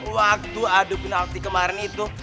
waktu adu penalti kemarin itu